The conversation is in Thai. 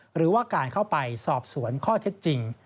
หรือว่าการเข้าไปสอบสวนข้อเท็จจริง